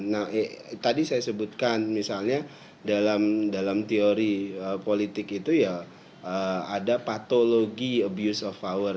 nah tadi saya sebutkan misalnya dalam teori politik itu ya ada patologi abuse of power